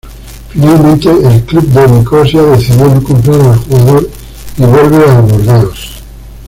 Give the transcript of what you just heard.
Finalmente el club de Nicosia decidió no comprar al jugador y vuelve al Burdeos.